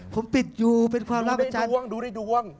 ผมปิดอยู่เป็นความรักอาจารย์ดูได้ดวงดูได้ดวง